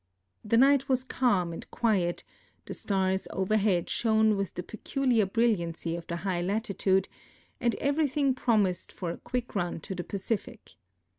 The night was calm and quiet, the stars over head shone with the peculiar brillianc}' of the high latitude, and everything promised fair for a quick run to the Pacific.